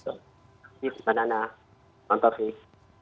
terima kasih bapak nana dan bang taufik